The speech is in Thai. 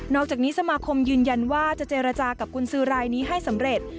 อกจากนี้สมาคมยืนยันว่าจะเจรจากับกุญสือรายนี้ให้สำเร็จ